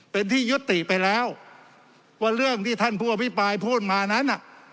เป็นที่ยุติไปแล้วว่าเรื่องที่ท่านผู้อภิปรายพูดมานั้นน่ะ